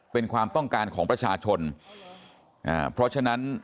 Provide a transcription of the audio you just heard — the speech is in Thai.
เป็นความต้องการของประชาชนอ่าเพราะฉะนั้น